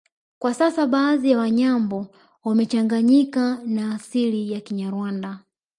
Kwa sasa baadhi ya Wanyambo wamechanganyikana na asili ya Kinyarwanda